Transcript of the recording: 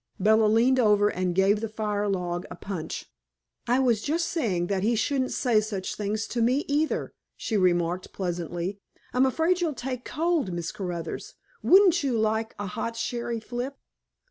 Bella leaned over and gave the fire log a punch. "I was just saying that he shouldn't say such things to me, either," she remarked pleasantly. "I'm afraid you'll take cold, Miss Caruthers. Wouldn't you like a hot sherry flip?"